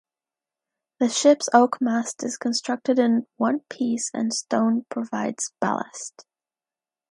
The ship’s oak mast is constructed in one piece and stone provides ballast.